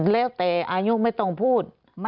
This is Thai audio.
แล้วแต่อายุไม่ต้องพูด